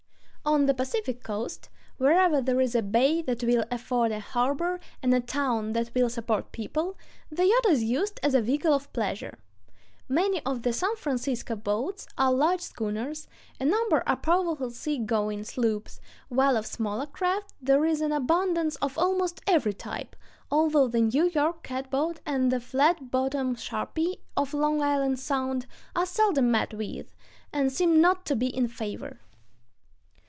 On the Pacific coast, ... wherever there is a bay that will afford a harbor, and a town that will support people, the yacht is used as a vehicle of pleasure.... Many of the San Francisco boats are large schooners, a number are powerful sea going sloops, while of smaller craft there is an abundance of almost every type, although the New York catboat and the flat bottomed sharpie of Long Island Sound are seldom met with, and seem not to be in favor....